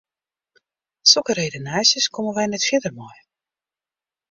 Sokke redenaasjes komme wy net fierder mei.